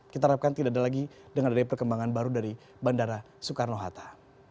kita harapkan tidak ada lagi dengar dari perkembangan baru dari bandara soekarno hatta